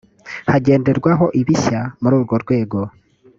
hagenderwaho ibishya muri urwo rwego